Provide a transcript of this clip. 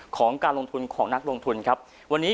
ของการลงทุนของนักลงทุนครับวันนี้